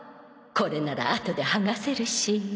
これならあとで剥がせるし。